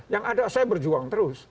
yang ada saya berjuang terus